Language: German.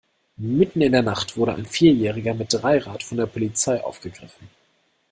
Mitten in der Nacht wurde ein Vierjähriger mit Dreirad von der Polizei aufgegriffen.